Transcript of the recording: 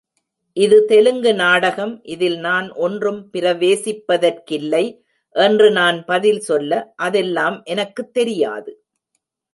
இது தெலுங்கு நாடகம், இதில் நான் ஒன்றும் பிரவேசிப்பதற்கில்லை என்று நான் பதில் சொல்ல, அதெல்லாம் எனக்குத் தெரியாது.